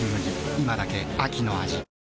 今だけ秋の味